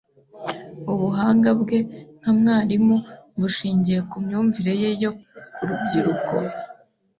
Ubuhanga bwe nka mwarimu bushingiye ku myumvire ye ku rubyiruko.